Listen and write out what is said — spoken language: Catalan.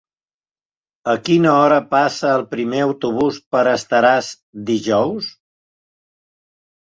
A quina hora passa el primer autobús per Estaràs dijous?